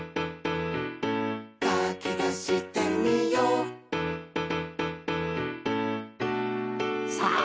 「かきたしてみよう」さあ！